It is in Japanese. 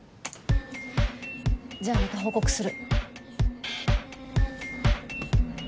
じゃあまた報告する。